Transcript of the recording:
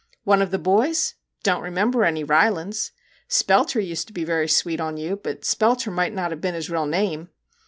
' One of the boys ? Don't remember any Rylands. Spelter used to be very sweet on you but Spelter mightn't have been his real name